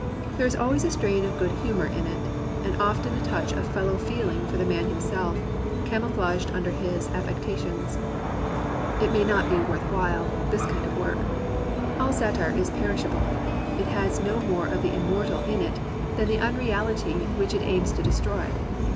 There is always a strain of good humour in it, and often a touch of fellow feeling for the man himself, camouflaged under his affectations. It may not be worth while — this kind of work. All satire is perishable. It has no more of the inmiortal in it than the unreality which it aims to destroy.